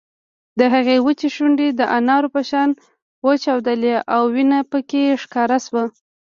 د هغې وچې شونډې د انارو په شان وچاودېدې او وينه پکې ښکاره شوه